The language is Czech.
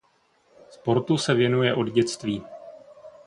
Sportu se věnuje od dětství.